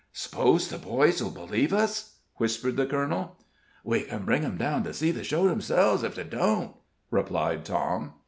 "S'pose the boys'll believe us?" whispered the colonel. "We ken bring 'em down to see the show themselves, ef they don't," replied Tom.